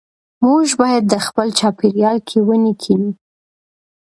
موږ باید په خپل چاپېریال کې ونې کېنوو.